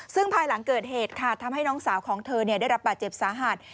ซึ่งภายหลังเกิดเหตุค่ะทำให้น้องสาวของเธอได้รับบาดเจ็บสาหัส